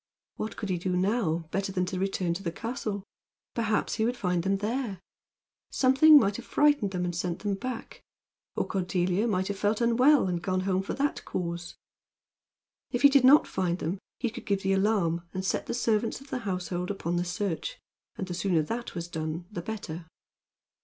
What could he now do better than to return to the castle? Perhaps he would find them there. Something might have frightened them and sent them back; or Cordelia might have felt unwell and gone home for that cause. If he did not find them he could give the alarm and set the servants of the household upon the search. And the sooner that was done the better.